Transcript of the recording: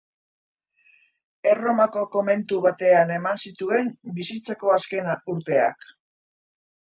Erromako komentu batean eman zituen bizitzako azken urteak.